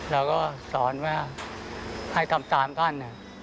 เราก็สอนว่าให้ทำตามท่าน